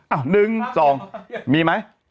เอ้ามีมั้ย